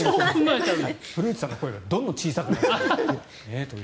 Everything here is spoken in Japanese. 古内さんの声がどんどん小さくなる。